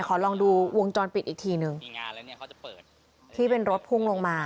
ขอลองดูวงจรปิดอีกทีนึงที่เป็นรถพุ่งลงมา